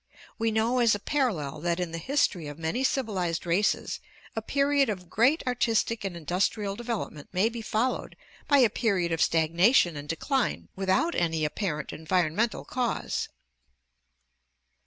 ... We know as a parallel that in the history of many civilized races a period of great artistic and industrial development may be followed by a period of stagnation and de cline without any apparent environmental cause."